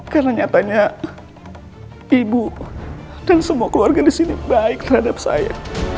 karena nyatanya ibu dan semua keluarga di sini baik terhadap saya